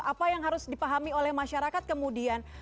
apa yang harus dipahami oleh masyarakat kemudian